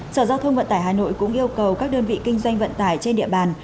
sở giao thông vận tải hà nội cũng yêu cầu các đơn vị kinh doanh vận tải trên địa bàn